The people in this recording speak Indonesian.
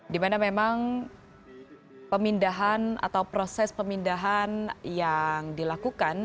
dimana memang pemindahan atau proses pemindahan yang dilakukan